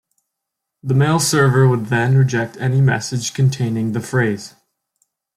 The mail server would then reject any message containing the phrase.